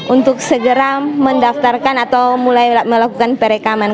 untuk segera mendaftarkan atau mulai melakukan perekaman